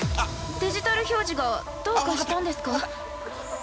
◆デジタル表示がどうかしたんですか。